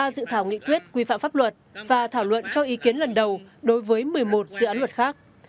ba dự thảo nghị quyết quy phạm pháp luật và thảo luận cho ý kiến lần đầu đối với một mươi một dự án luật khác